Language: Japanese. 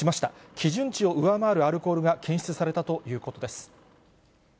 基準値を上回るアルコールが検出されたということです。